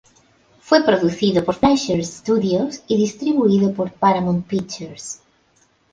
Fue producido por Fleischer Studios y distribuido por Paramount Pictures.